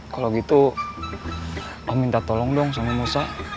kalau gitu oh minta tolong dong sama musa